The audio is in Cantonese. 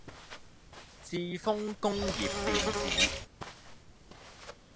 致豐工業電子